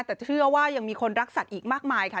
แต่เชื่อว่ายังมีคนรักสัตว์อีกมากมายค่ะ